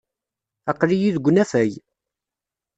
Aql-iyi deg unafag.